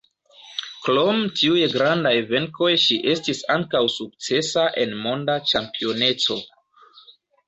Krom tiuj grandaj venkoj ŝi estis ankaŭ sukcesa en Monda ĉampioneco.